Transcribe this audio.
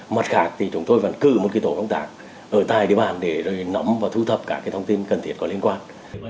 mặt khác thì chúng tôi vẫn cư một tổ công tác ở tại địa bàn để nắm và thu thập các thông tin cần thiết có liên quan